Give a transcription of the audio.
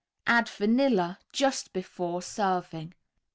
Add vanilla, just before serving.